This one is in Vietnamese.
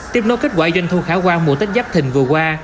tiếp nối kết quả doanh thu khả quan mùa tết giáp thình vừa qua